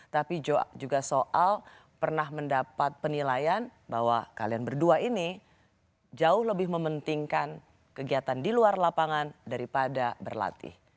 tapi juga soal pernah mendapat penilaian bahwa kalian berdua ini jauh lebih mementingkan kegiatan di luar lapangan daripada berlatih